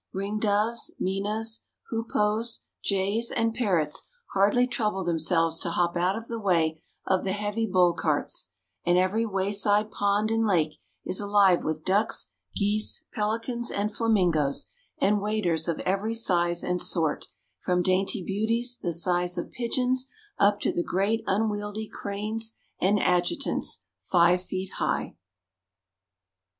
Ring doves, minas, hoopoes, jays and parrots hardly trouble themselves to hop out of the way of the heavy bull carts, and every wayside pond and lake is alive with ducks, geese, pelicans, and flamingoes and waders of every size and sort, from dainty beauties, the size of pigeons, up to the great unwieldy cranes and adjutants, five feet high.